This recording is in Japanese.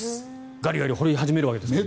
ガリガリ掘り始めるわけですから。